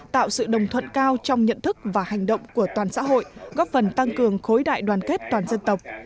tạo sự đồng thuận cao trong nhận thức và hành động của toàn xã hội góp phần tăng cường khối đại đoàn kết toàn dân tộc